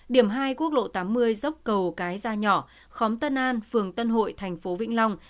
điểm hai quốc lộ tám mươi dốc cầu cái gia nhỏ khóm tân an phường tân hội thành phố vĩnh long